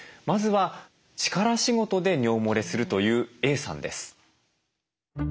まずは力仕事で尿もれするというＡさんです。